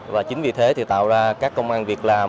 và chính vì thế thì tạo ra các công an việc làm